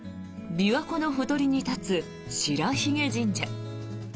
琵琶湖のほとりに立つ白鬚神社。